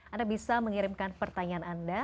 anda bisa mengirimkan pertanyaan anda